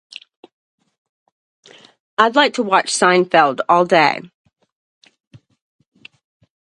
I'd like to watch Seinfeld all day.